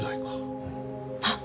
あっ！